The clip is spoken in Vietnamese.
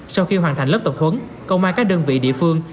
sau khi hoàn thành lớp tập huấn công an các đơn vị địa phương